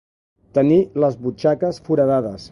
Tenir les butxaques foradades.